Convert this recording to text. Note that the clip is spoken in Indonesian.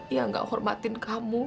yang enggak hormatin kamu